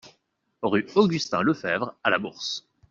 Rue Augustin Lefebvre à Labourse